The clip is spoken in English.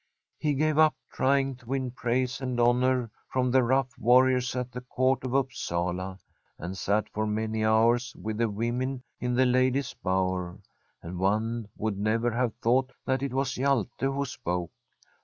He gave up trying to win praise and honour from the rough warriors at the Court of Upsala, and sat for many hours with the women in the Ladies' Bower, and one would never have thought that it was Hjalte who spoke.